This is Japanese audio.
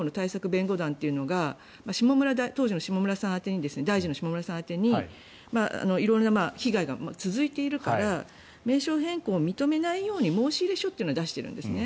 弁護団というのが当時の下村さん宛てに大臣の下村さん宛てに色んな被害が続いているから名称変更を認めないように申し入れ書を出しているんです。